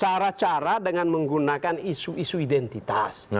cara cara dengan menggunakan isu isu identitas